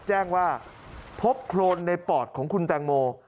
แจ้งว่าพบโครนในปอดของคุณแตงโม